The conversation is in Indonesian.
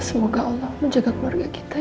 semoga allah menjaga keluarga kita